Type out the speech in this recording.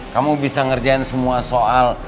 kamu bisa ngerjain semua soal